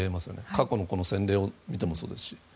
過去のものを見てもそうですし。